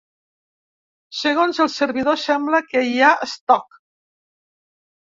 Segons el servidor sembla que hi ha stock.